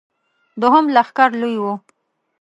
دوهم لښکر لوی و.